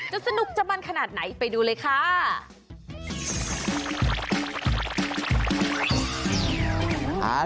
สนุกจะมันขนาดไหนไปดูเลยค่ะ